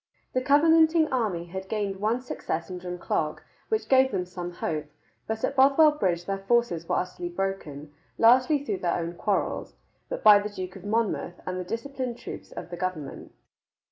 The Covenanting army had gained one success in Drumclog, which gave them some hope, but at Bothwell Bridge their forces were utterly broken, largely through their own quarrels, by the Duke of Monmouth and the disciplined troops of the government.